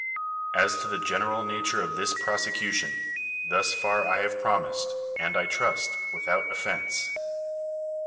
As to the general nature of this prosecution, thus far have I promised, and, I trust, without offense.